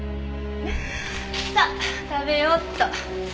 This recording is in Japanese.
さあ食べようっと。